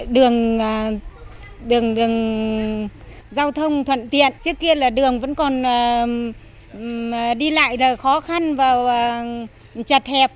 đường giao thông thuận tiện trước kia là đường vẫn còn đi lại khó khăn và chặt hẹp